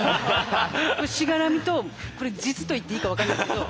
これしがらみとこれ実といっていいか分かんないですけど。